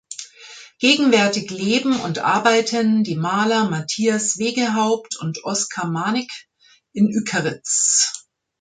Gegenwärtig leben und arbeiten die Maler Matthias Wegehaupt und Oskar Manigk in Ückeritz.